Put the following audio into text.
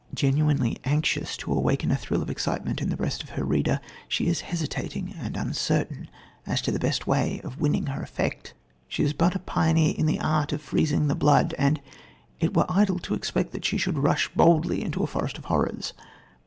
Genuinely anxious to awaken a thrill of excitement in the breast of her reader, she is hesitating and uncertain as to the best way of winning her effect. She is but a pioneer in the art of freezing the blood and it were idle to expect that she should rush boldly into a forest of horrors.